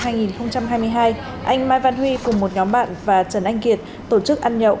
anh mai văn huy cùng một nhóm bạn và trần anh kiệt tổ chức ăn nhậu